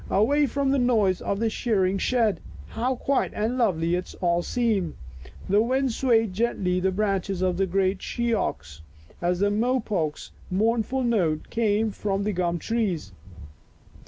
Away from the noise of the shearing shed, how quiet and lovely it all seemed. The wind swayed gently the branches of the great she oaks as a mopoke's mournful note came from the gum trees.